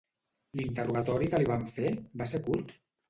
L'interrogatori que li van fer, va ser curt?